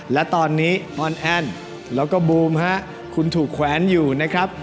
และตอนนี้ออนแอ้นแล้วก็บูมฮะคุณถูกแขวนอยู่นะครับ